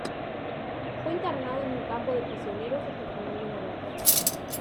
Fue internado en un campo de prisioneros hasta el final de la guerra.